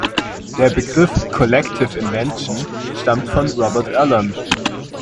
Der Begriff „Collective Invention“ stammt von Robert Allen.